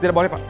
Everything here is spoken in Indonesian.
tidak boleh pak